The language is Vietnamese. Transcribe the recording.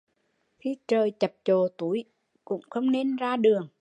Khi trời chập chộ túi, cũng không nên ra đường